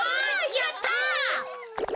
やった！